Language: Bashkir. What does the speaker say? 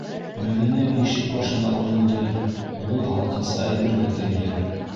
Мәҙинә ишек башына үрелде, ҡулы һалҡынса әйбергә тейҙе.